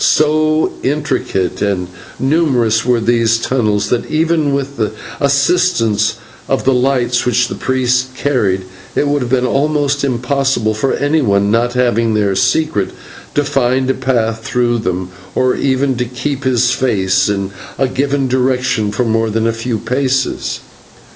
So intricate and numerous were these tunnels, that, even with the assistance of the lights which the priests carried, it would have been almost impossible for any one not having their secret, to find a path through them, or even to keep his face in a given direction for more than a few paces.